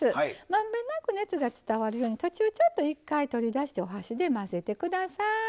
まんべんなく熱が伝わるように途中ちょっと一回取り出してお箸で混ぜてください。